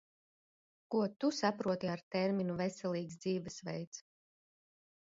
Ko Tu saproti ar terminu "veselīgs dzīvesveids"?